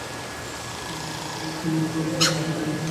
আমরা যেন কাম, ক্রোধ ও লোভের বন্ধন হইতে মুক্ত হই।